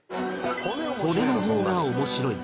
「骨の方が面白い」